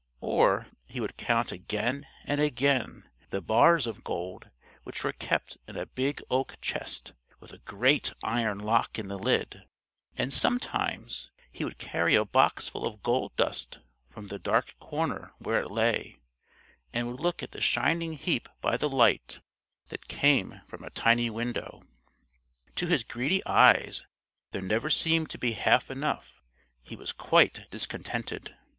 Or he would count again and again the bars of gold which were kept in a big oak chest with a great iron lock in the lid, and sometimes he would carry a boxful of gold dust from the dark corner where it lay, and would look at the shining heap by the light that came from a tiny window. To his greedy eyes there never seemed to be half enough; he was quite discontented.